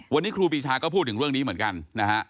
วันนี้ครูปีชาก็พูดถึงเรื่องนี้เหมือนกันนะฮะ